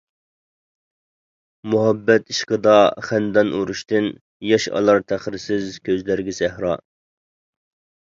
مۇھەببەت ئىشقىدا خەندان ئۇرۇشتىن، ياش ئالار تەخىرسىز كۆزلەرگە سەھرا.